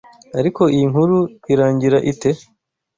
Ariko iyi nkuru irangira ite?